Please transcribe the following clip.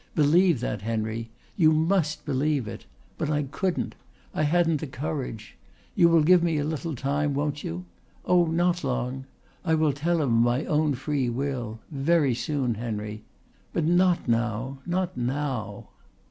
Believe that, Henry! You must believe it! But I couldn't. I hadn't the courage. You will give me a little time, won't you? Oh, not long. I will tell him of my own free will very soon, Henry. But not now not now."